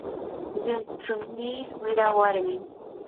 llumtsuynii wira warmim.